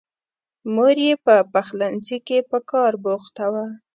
مور یې په پخلنځي کې په کار بوخته وه.